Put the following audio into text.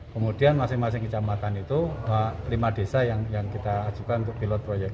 kemudian masing masing kecamatan itu lima desa yang kita ajukan untuk pilot proyek